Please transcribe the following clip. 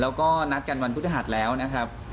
แล้วก็นัดกันวันพฤหัสแล้วนะครับ